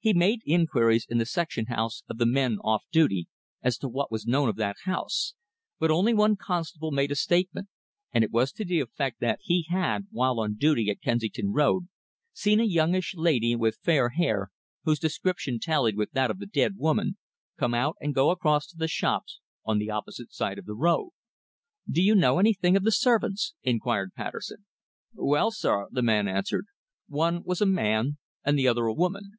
He made inquiries in the section house of the men off duty as to what was known of that house, but only one constable made a statement, and it was to the effect that he had, when on duty in Kensington Road, seen a youngish lady with fair hair, whose description tallied with that of the dead woman, come out and go across to the shops on the opposite side of the road. "Do you know anything of the servants?" inquired Patterson. "Well, sir," the man answered, "one was a man, and the other a woman."